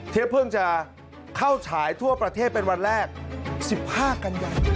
ที่เพิ่งจะเข้าฉายทั่วประเทศเป็นวันแรก๑๕กันยา